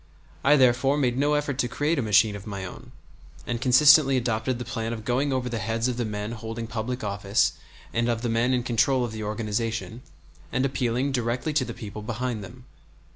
I therefore made no effort to create a machine of my own, and consistently adopted the plan of going over the heads of the men holding public office and of the men in control of the organization, and appealing directly to the people behind them.